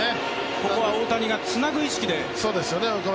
ここは大谷がつなぐ意識で。